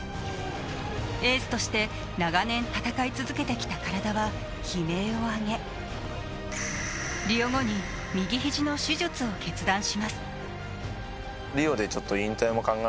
エースとして長年戦い続けてきた体は悲鳴も上げ、リオ後に右ひじの手術を決断します。